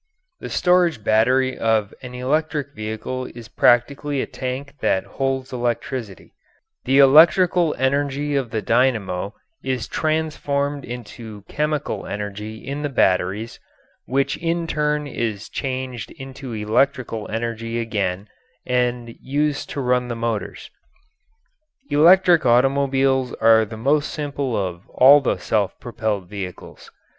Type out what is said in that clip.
The storage battery of an electric vehicle is practically a tank that holds electricity; the electrical energy of the dynamo is transformed into chemical energy in the batteries, which in turn is changed into electrical energy again and used to run the motors. Electric automobiles are the most simple of all the self propelled vehicles.